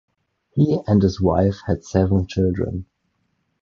He and his wife had seven children.